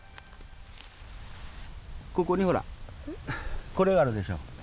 ここにほらこれがあるでしょう。